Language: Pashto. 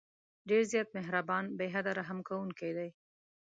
ډېر زیات مهربان، بې حده رحم كوونكى دى.